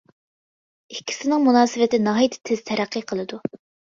ئىككىسىنىڭ مۇناسىۋىتى ناھايىتى تېز تەرەققىي قىلىدۇ.